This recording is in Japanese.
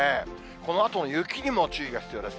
このあとの雪にも注意が必要です。